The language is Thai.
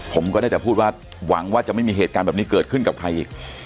ผมก็ได้แต่พูดว่าหวังว่าจะไม่มีเหตุการณ์แบบนี้เกิดขึ้นกับใครอีก